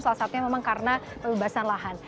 salah satunya memang karena pembebasan lahan